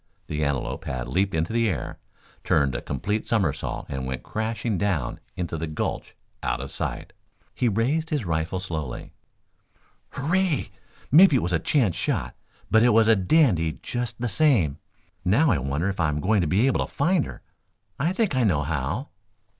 The antelope had leaped into the air, turned a complete somersault, and went crashing down into the gulch out of sight. "Hooray! Maybe it was a chance shot, but it was a dandy just the same. Now I wonder if I am going to be able to find her. I think I know how."